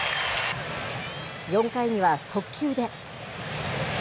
４回には速球で。